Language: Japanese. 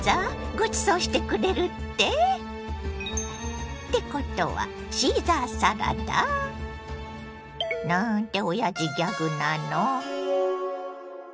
ごちそうしてくれるって？ってことはシーザーサラダ？なんておやじギャグなの！